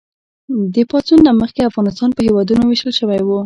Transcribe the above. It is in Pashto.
د پاڅون نه مخکې افغانستان په هېوادونو ویشل شوی و.